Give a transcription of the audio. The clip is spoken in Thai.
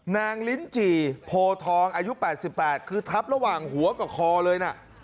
ลิ้นจี่โพทองอายุ๘๘คือทับระหว่างหัวกับคอเลยนะ